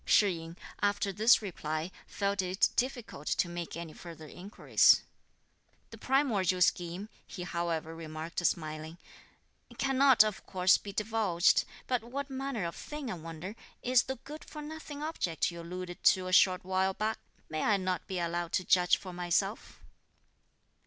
Shih yin, after this reply, felt it difficult to make any further inquiries. "The primordial scheme," he however remarked smiling, "cannot, of course, be divulged; but what manner of thing, I wonder, is the good for nothing object you alluded to a short while back? May I not be allowed to judge for myself?"